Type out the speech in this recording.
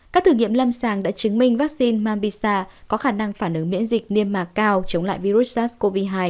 các thử nghiệm lâm sàng đã chứng minh vaccine mambisa có khả năng phản ứng miễn dịch niêm mạc cao chống lại virus sars cov hai